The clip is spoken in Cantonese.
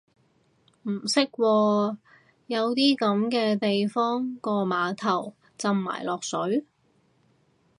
唔識喎，有啲噉嘅地方個碼頭浸埋落水？